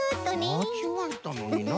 まちがえたのにな。